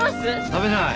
食べない。